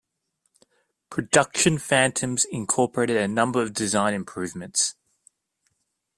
Production Phantoms incorporated a number of design improvements.